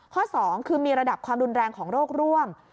๒คือมีระดับความรุนแรงของโรคร่วม